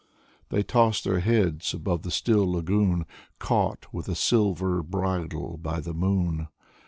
They toss their heads above the still lagoon Caught with a silver bridle by the moon.